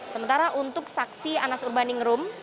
sementara untuk saksi anas urbaningrum